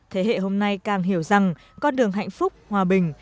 thế hệ hôm nay càng hiểu rằng con đường hạnh phúc hòa bình